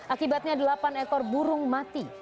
akibatnya delapan ekor burung mati